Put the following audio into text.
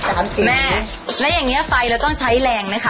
แม่แล้วอย่างเงี้ไฟเราต้องใช้แรงไหมคะ